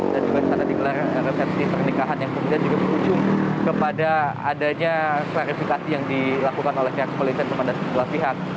dan juga di sana digelar resepsi pernikahan yang kemudian juga berujung kepada adanya klarifikasi yang dilakukan oleh pihak kualitas dan pemerintah pihak